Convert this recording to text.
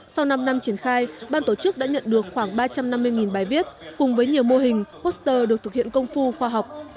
sau năm năm triển khai ban tổ chức đã nhận được khoảng ba trăm năm mươi bài viết cùng với nhiều mô hình poster được thực hiện công phu khoa học